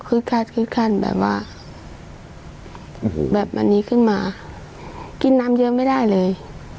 ขึ้นขั้นขึ้นขั้นแบบว่าแบบอันนี้ขึ้นมากินน้ำเยอะไม่ได้เลย